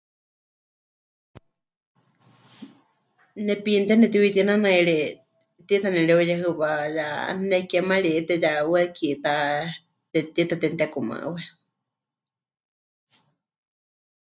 Nepiiníte nepɨtiuyutínanairi tiita nemɨreuyehɨwá, ya nekémarite, ya 'uuwa kiitá te... tiita temɨtekumaɨwa.